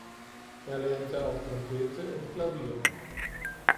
Er lernte auch Trompete und Klavier.